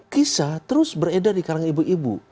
kisah terus beredar di kalangan ibu ibu